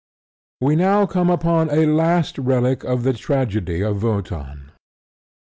We now come upon a last relic of the tragedy of Wotan.